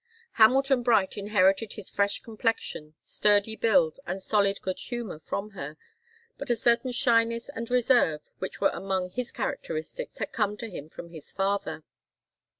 Hamilton Bright inherited his fresh complexion, sturdy build, and solid good humour from her, but a certain shyness and reserve which were among his characteristics had come to him from his father.